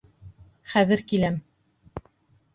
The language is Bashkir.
Хәҙер киләм!